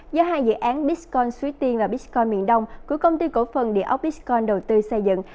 do hai dự án biscone suối tiên và biscone miền đông của công ty cổ phần địa óc biscone đầu tư xây dựng